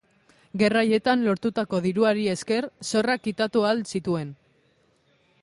Gerra haietan lortutako diruari esker, zorrak kitatu ahal zituen.